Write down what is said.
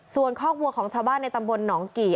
ส่วนคอกวัวของชาวบ้านในตำบลหนองกี่